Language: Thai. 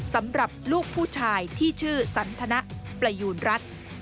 สำหรับลูกผู้ชายที่ชื่อสันทนะประยูณรัฐ